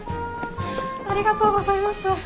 ありがとうございます。